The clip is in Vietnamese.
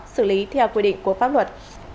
xử lý theo quy định của pháp luật